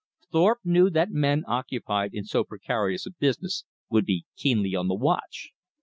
Thorpe knew that men occupied in so precarious a business would be keenly on the watch.